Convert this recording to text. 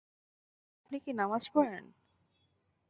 আপনি কি নামাজ পড়েন?